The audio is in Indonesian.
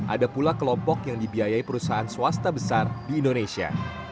ada pula kelompok yang dibiayai perusahaan swasta besar di indonesia